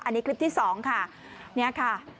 อันนี้คลิปที่๒ค่ะเนี่ยค่ะ